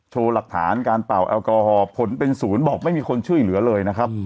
หลักฐานการเป่าแอลกอฮอล์ผลเป็นศูนย์บอกไม่มีคนช่วยเหลือเลยนะครับ